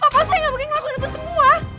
bapak saya gak mungkin ngelakuin itu semua